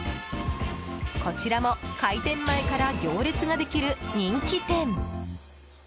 こちらも開店前から行列ができる人気店。